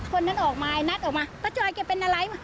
คนนั้นออกมานัดออกมาป้าจอยแกเป็นอะไร